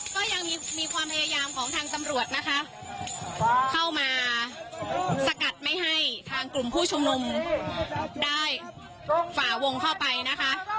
ก็ยังมีความพยายามของทางตำรวจนะคะเข้ามาสกัดไม่ให้ทางกลุ่มผู้ชุมนุมได้ฝ่าวงเข้าไปนะคะ